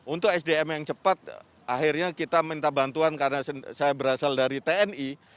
untuk sdm yang cepat akhirnya kita minta bantuan karena saya berasal dari tni